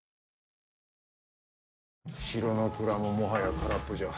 城の蔵ももはや空っぽじゃ。